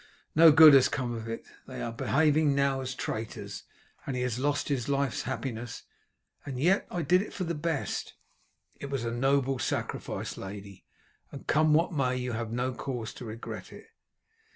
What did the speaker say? No good has come of it. They are behaving now as traitors, and he has lost his life's happiness. And yet I did it for the best." "It was a noble sacrifice, lady, and come what may you have no cause to regret it."